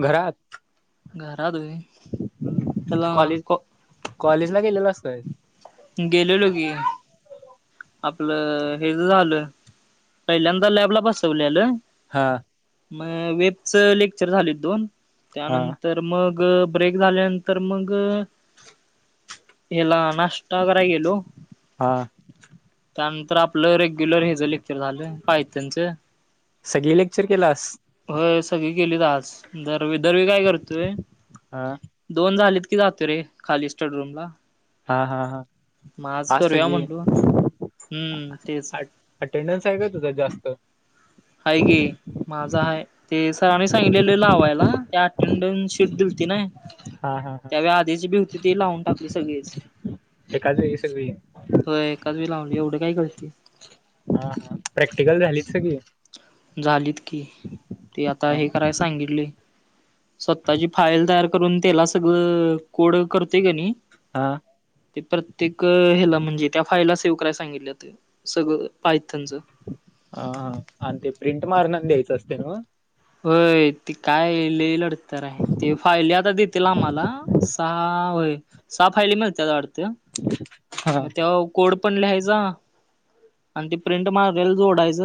घरात. घरा होय तुला कॉलेज क कॉलेजला गेलेलास काय? गेलेलो की. आपलं हेच झालं पहिल्यांदा लॅबला बसवलेलं हा. म वेबच लेक्चर झालीत दोन हा त्यानंतर मग ब्रेक झाल्यानंतर मग हेला नाष्टा कराय गेलो. हा त्यानंतर आपलं रेग्युलर हे झाले ते झालं. पाय त्यांचं सगळी लेक्चर केलास? होय. सगळी गेलीत आज, दरवेळी दरवेळी काय करतोय हा दोन झालेत की, जातो रे, खाली स्टडरूम ला हा हा हा म आज करूया म्हणलो. हम्म तेच अटेंडन्स हाय का तुझा जास्त हाय की, माझा हाय, ते सरांनी सांगलेले लावायला, त्या अटेंडन्स शीट दिलती नाय हा हा हा त्यावेळी आधीच बी होती, ती लावून टाकली सगळीच एकाच वेळी सगळी हो एकाच वेळी लावली, एवढ काय कळती हा हा, प्रॅक्टिकल झालीच सगळी झालीत की, तती आता हा हे कराय सांगितलय स्वतःची फाईल तयार करून त्याला सगळ कोड करतोय क नी हां ते प्रत्येक हेला म्हणजे त्या फाईलला सेव्ह करायला सांगितल्यात. सगळं पाहय त्यांचं आ आणि ते प्रिंट मारणार द्यायचं असतय नव्ह. होय ते काय लय लढतत हाय. ते फायली आता देतील आम्हाला, सहा व्हय सहा फायली मिळत्यात वाडत. हा म त्यावव कोड पण लिहायचा. आणि ते प्रिंट मागारी जोडायच.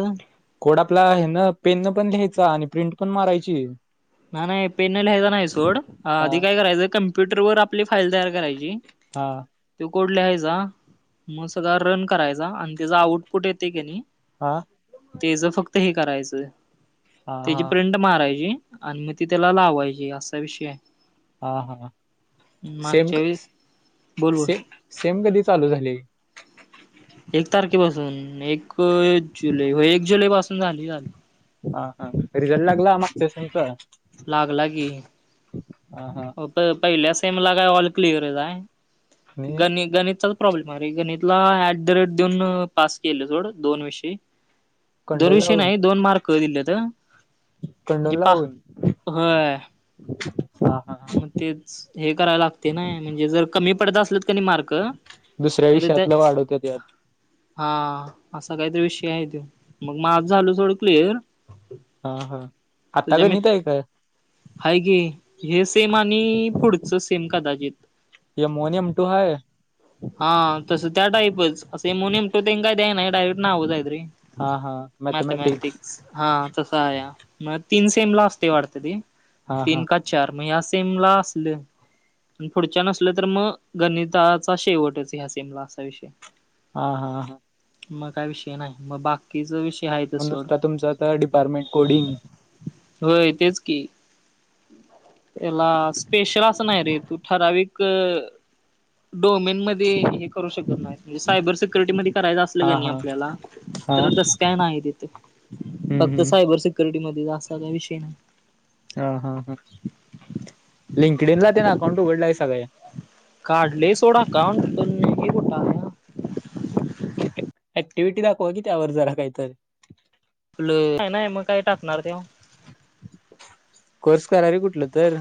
कोड आपला हेन पेन न पण लिहायचा. आणि प्रिंट पण मारायची. नाय नाय पेन न लिहायचा नाय सोड, हा आधी काय करायचं कम्प्युटर वर आपली फाईल तयार करायची. हा तो कोड लिहायचा. म सगळळा रन करायचा. आणि त्याचा आउटपुट येतय कनी हा तेज फक्त हे करायचं, हा त्याजी हा प्रिंट मारायची. आणि म ती त्याला लावायची असा विषय हाय. हा हा, सेम मागच्या क वेळी बोल बोल सेम सेम कधी चालू झाली. एक तारखेपासून, एक जुलै हो एक जुलै पासून झाली झाली. हा हा, रिझल्ट लागला मागच्या वेळेस ह्याचा लागला की हा हा प पहिल्या सेमला का ऑल क्लिअरचं हाय आणि गणी गणितचा हो प्रॉब्लेम आरे गणितला ऍट द रेट देऊन पास केलं सोड, दोन विषयी दोर कंडल विषय लावून नाय, दोन मार्क दिलेत. म्हणजे कंडल पा लावून होय. हा हा मग तेच हे करायला लागतय नाय, म्हणजे जर कमी पडत असलत कनय मार्क दुसऱ्या ते विषयातलं वाढवता त्यात हा असा कायतरी विषय हाय त्यो मग माज झाल सोडं क्लिअर हा हा, आता तुझ्या मी गणित हाय काय? हाय की, हे सेम आणि पुढचं सेम कदाचित एम वन एम टू हाय व्हय. हा तसं त्या टाईपच असं एम वन, एम टू तेनं काय द्या नाय डायरेक्ट नावच हायत रे हा हा मॅथमॅटिक्स हा तस आहे म तीन सेम ला असतय वाटत ती‌ हा हा तीन का चार मग हया सेमला असल. पुढच्या नसल तर मग गणिताचा शेवटच ह्या सेमला असा विषय आहे. हा हा हां मग काय विषय नाही, मग बाग, कीच विषय आहेत. मग नुसता तुमचा आता डिपार्टमेंट कोडिंग. होय तेच की. याला स्पेशल अस नाही रे तू ठराविक डोमेन मध्ये. करू शकत नाही म्हणजे सायबर सिक्युरिटी मध्ये करायच असल की हा नाही हा आपल्याला हा तर तस काय नाही तिथे. फक्त हम्म हम्म सायबर सिक्युरिटीमध्ये असा काय विषय नाही. हा हा हां लिंकडेनला ते ना अकाउंट उघडला आहे सगळ्यांनी. काढले सोडा काम. ऍक्टिव्हटी दाखवा की त्यावर जरा काहीतर. काय नाही मग काय टाकणार तो? कोर्स करा रे कुठल तर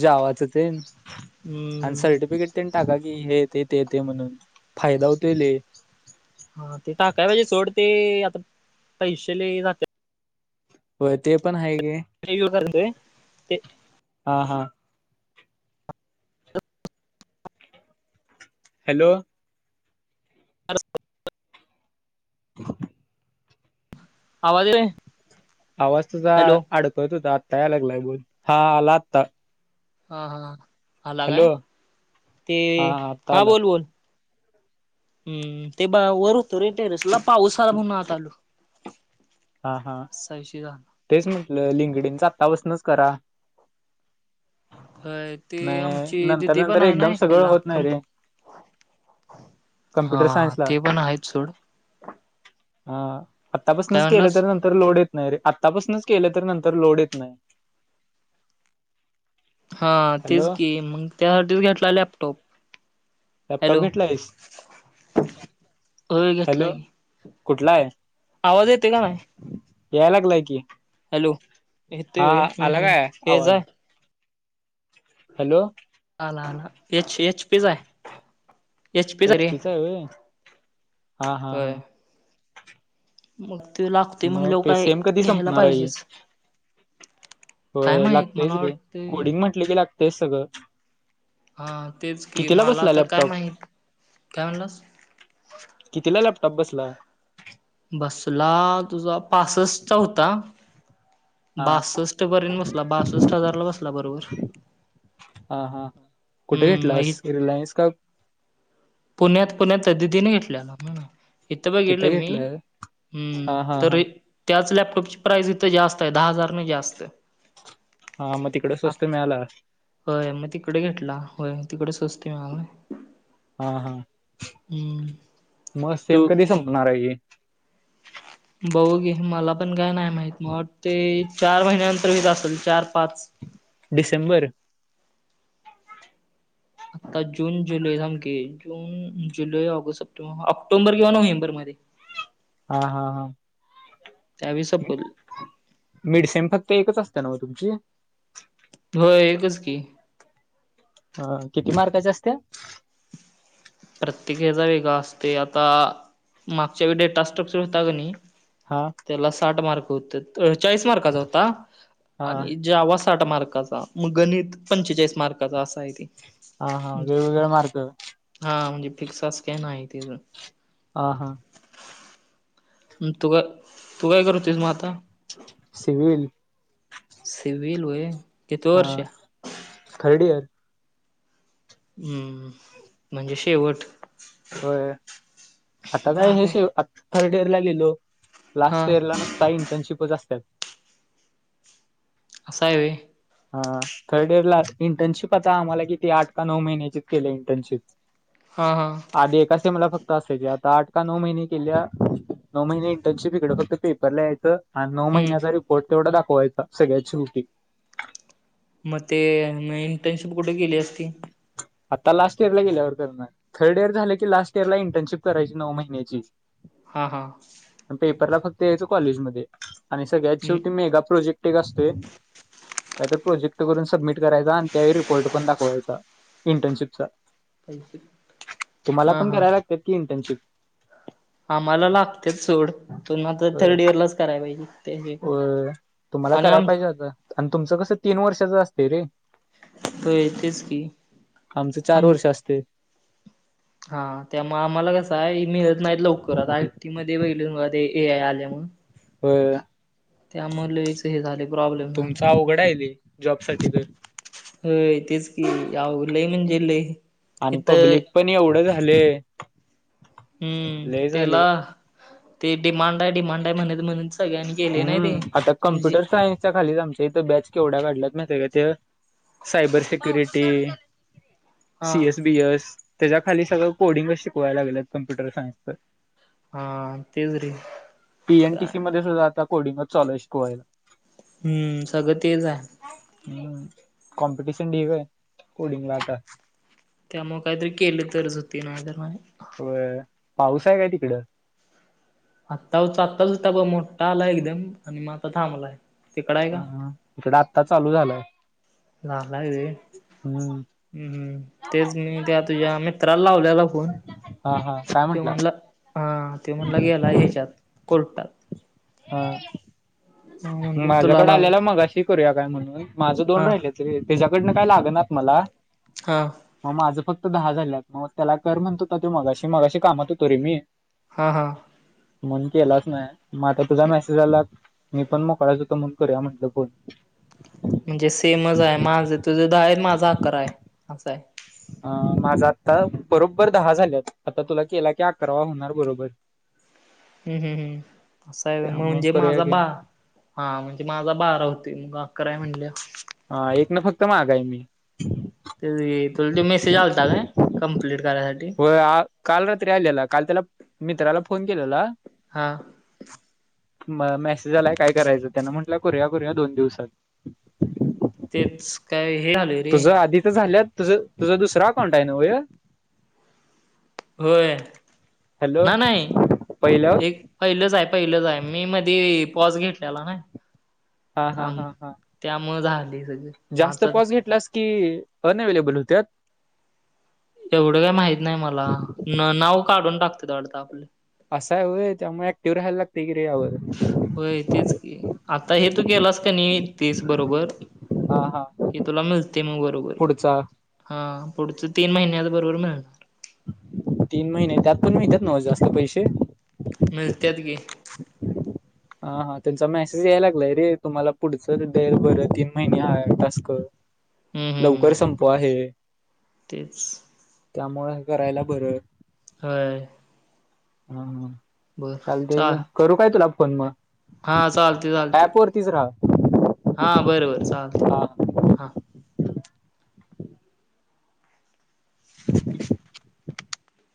जावाच ते आणि हम्म सर्टिफिकेट टाका की हेे ते ते ते म्हणून फायदा होतोय लय. हा ते टाकाय पाहिजे सोड ते आता पैशे लय जातेत. होय ते पण आहे की. [unintelligible] करतय. हां हां हॅलो अ [inaudible] [inaudible] आवाज येतोय? आवाज तुझा हॅलो अडकळत होता आता याय लागलाय मण हा आला आत्ता. हां हां आला हॅलो काय? ते हा हा आत्ता हां आला बोल बोल. हम्म ते ब वर होतो रे टेरेसला पाऊस आला म्हणून आता आलो. [inaudible] हां हां असा विषय झाला तेच म्हंटल लिंगडींच आत्तापासनच करा. होय ते नाही आमची नंतर दिदी नंतर पण आहे ना एकदम सगळं ह्याला होत नाही कम रे कम्प्युटर हां ते पण आहेत सोड. हां काय आतापासनच केल म्हणलास तर नंतर तर लोड येत नाही रे आत्तापासूनच केल तर नंतर लोड येत नाही. हां तेच हॅलो की मग त्यासाठीच घेतला लॅपटॉप. लॅपटॉप हॅलो घेतलायस होय घेतलाय की. कुठलाय. आवाज येतोय का नाही? याय लागलाय कि, हॅलो येतोय हा व्हय हम्म आला हम्म काय हेज आवाज? हाय हॅलो आला आला एच एच पी चा य. एच पी चा चे. हा हा हा लागतय मग म्हणल्यावर पे काय सेम कधी घ्यायला संपणार आहे? पाहिजेच काय होय माहित लागतयच मला रे वाटतय कोडिंग म्हटल की लागतयच सगळ. हा तेच की मला बसला आता काय लॅपटॉप माहित? काय म्हणलास? कितीला लॅपटॉप बसला? बसला तुझा पासष्टचा होता. हा बासष्ट पर्यंत बसला बासष्ट हजारला बसला बरोबर हा हा हा कुठे हम्म मग घेतलास रिलायन्स का? पुण्यात पुण्यात दिदीन घेतला. इथं बघितलं तिथं मी घेतलाय हम्म हा हा तर हा त्याच लॅपटॉपची प्राईज इथे जास्त आहे दहा हजारने जास्त हा मग तिकडे आप स्वस्त मिळाला. होय मग तिकडे घेेतला हो तिकडे स्वस्त मिळाला. ह हा हम्म मग सेम तू कधी संपणार आहे हे बघू की मला पण काय नाही? माहित मला वाट ते चार महिन्यानंतर होेत असेल. चार पाच डिसेंबर आता जून जुलै बघूया की जून जुलै ऑगस्ट सप्टेंबर ऑक्टोंबर किंवा नोव्हेंबर मध्ये हा हा हा त्यावेळी सपल. मिडसेम फक्त एकच असतं ना मग तुमची हो एकच की, ह किती मार्काच्या असत्या? प्रत्येक हेचा वेगळा असते आता मागच्या वेळी डेटास्ट्रक्चर होता ग नाही. हा त्याला साठ मार्क होते चाळीस मार्काचा होता हा आणि ज्यावा साठ मार्काचा मग गणित पंचेचाळीस मार्काचा असा आहे ते हा हा वेगवेगळे मार्क हा म्हणजे फिक्स स्कॅन आहे तच ह हां तू का तू काय करूतेस मग आता सिविल सिवल व हा थर्ड इयर हम्म म्हणजे शेवट होय आता काय हे भारी हाय. शे आ थर्ड इयरला लिहिलो हा लास्ट इयरला नसत. का इंटर्नशिपच असतात. असं आहे होय. हा थर्ड इयर ला इंटर्नशिप आता आम्हाला किती आठ का नऊ महिन्याचीच केले इंटर्नशिप हा हा आधी एका से मला फक्त असायचे आता आठ का नऊ महिने केल्या नऊ महिने इंटर्नशिप इकडं फक्त पेप यायचं आणि नऊ हम्म महिन्याचा रिपोर्ट तेवढा दाखवायचा सगळ्यात शेवटी मग ते इंटर्नशिप कुठे केली असती? आता लास्ट इयर ला गेल्यावर त्यांना थर्ड इयर झाले की लास्ट इयर ला इंटर्नशिप करायची नऊ महिन्याची हा हा प पेपरला फक्त याेतो कॉलेजमध्ये आणि सगळ्यात हम्म शेवटी मेगा प्रोजेक्ट. प्र्येक असते काहीत प्रोजेक्ट करून सबमिट करायचा आणि त्या रिपोर्ट पण दाखवायचा. इंटर्नशिपचा. पैसे तुम्हाला हा पण हा कराला लागत की इंटर्नशिप. आम्हाला लागते सोड पण आता थर्ड इयर लाच कराय पाहिजे. अ त्याशिवाय तुम्हाला आणि करायला आम पाहिजे होता आणि तुमचं कसं तीन वर्षाच असते रे. होय तेच की. आमचं चार वर्ष असतंय. हा त्यामुळे आम्हाला कसं आहे मिळत नाहीत लवकर. आय टी मध्ये बघितलं ना बघा ते ए आय आल्या म्हण हो लईच हे झाले प्रॉब्लेम झाला. तुमचा अवघड आहे जॉब साठी तर होय तेच की ते अवघड लय म्हणजे लय आणि पब्लिक पण एवढं झाले. हम्म लय झाले. त्याला ते डिमांड आहे डिमांड आहे म्हणेत म्हणे सग हम्म आता कम्प्युटर सायन्सच्या खालीच आमच्या इथं बॅच केवढ्या घढल्यात माहित आहे का? ते सायबर सक्युरिटी, हां सी एस बी एस त्याच्या खाली सगळं कोडिंगच शिकवायला लागलेत कम्प्युटर सायन्सच. हा ते जरी आत्ता कोडिंगच चालू आहे शिकवायला. हम्म सगळं तेच आहे. हम्म कॉम्पिटिशन [unintelligible] हाय कोडींगला आता. त्यामुळे काहीतरी केलं तरच होती ना तर नाय. होय, पाऊस आहे काय तिकडं? आत्ता होता आत्ताच होता बघा मोठा आला एकदम आणि मग आता थांबलाय. तिकडं आहे का? ह इकडे आता चालू झालंय. [unintelligible] हम्म. ह् हम तेच मी त्या तुझ्या मित्राला लावलेला फोन. हा हा. काय ते म्हंटला? म्हणला हा ते म्हणला गेला ह्याच्यात कोर्टात. हा. मग म्हणलो तुला माझ्याकडे लावूया आल्याला मघा ती. करूया काय म्हणून माझं दोन हा राहिले त त्याच्याकडनं काय लागेनात मला. हां. मग माझं फक्त दहा झालंत. मग त्याला कर म्हणत होता ते मगाशी. मगाशी कामात होतो रे मी हा हा. म्हण केलाच नाही. मग आता तुझा मेसेज झाला. पण मोकळाच होतो मण करू या म्हटलं फोन. म्हणजे सेमच आहे माझं तुझं दहा आहे माझा अकरा आहे असा आहे. अ माझा आता बरोबर दहा झाल्यात आता तुला केला की अकरावा होणार बरोबर. हम्म हम् हम्म असं आहे त्यामुळे म्हणजे करूया माझा की बा. हा म्हणजे माझा बारा होते मग अकरा आहे म्हणल्या हा एक ना फक्त माग हाय मी. त तुला ते मेसेज आलत ना कम्प्लीट करायसाठी. हो काल रात्री आलेला काल त्याला मित्राला फोन केलेला. हा. म मेसेज आलाय काय करायचं त्याना म्हटलं करूया करूया दोन दिवसात. तेचं कायं हे झाले. तुझं आंधी तरं झाल्यां तुझं तुझं दुसरां अकाउंट हांय नव्हं हे. होयं नां नाहीं पहिलं एक पहिलंच आहे पहिलंच आहे मी मध्यें पॉज घेतलेला नां हा थांब त्यां मुळे झाले सगळं. जास्तं पॉस घेतलांस की अनंअवेलेबल होत्यां. एवढं कांहीं माहित नाहीं मलां. नांव काढूंन टाकतांत वाटतं आपले. असां आहे वयं त्यांमुळे क्टिव्ह राहांयला लागते की रे यांवर होयं तेचं आंता हे तू ग केलांस कां नाहीं तेचं बरोबर हा हा कि तुंला मिळते मुगूं बरोबर पुढचा हां पुढचे तीनं महिन्यां पक्कं बरोबर मिळणारं तीनं महिने त्यांत पणं मिळतातं नी जास्तं पैसे मिळत्यात की हांऊ हां त्यांचा मेसेज यायला लागलात रे तुम्हांला पुढचं बरं तीनं महिने टस्कं हम्म लवकरं संपवांहे टिप्स त्यांमुळे हे करायला बरं हँय हम्मं हम्मं हं चालते करूं कायं तुला फोन मंग े हां हां चालते चालते तिसरां हां बरोबर चालते हा